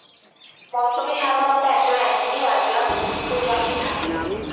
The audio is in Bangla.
মস্তকে সাধারণত একজোড়া অ্যান্টিনি ও একজোড়া পুঞ্জাক্ষি থাকে।